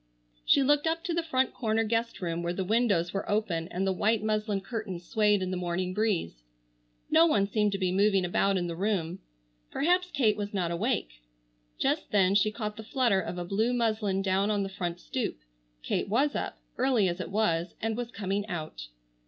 She looked up to the front corner guest room where the windows were open and the white muslin curtains swayed in the morning breeze. No one seemed to be moving about in the room. Perhaps Kate was not awake. Just then she caught the flutter of a blue muslin down on the front stoop. Kate was up, early as it was, and was coming out.